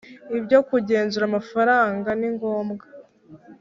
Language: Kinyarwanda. Ibyo kugenzura amafaranga ningombwa